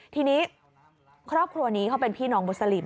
ทีนี้ครอบครัวนี้เขาเป็นพี่น้องบุษลิม